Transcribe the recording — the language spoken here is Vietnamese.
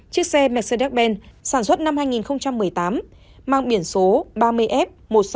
chiếc xe mercedes benz sản xuất năm hai nghìn một mươi tám mang biển số ba mươi f một mươi sáu nghìn tám trăm sáu mươi năm